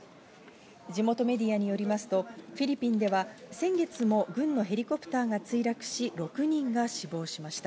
地元メディアによりますと、フィリピンでは先月も軍のヘリコプターが墜落し、６人が死亡しました。